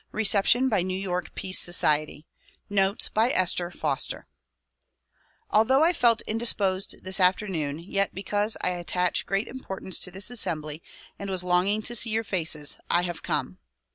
Reception hy New York Pefice Society. Notes by Esther Foster ALTHOUGH I felt indisposed this afternoon yet because I attach great importance to this assembly and was longing to see your faces, I have come.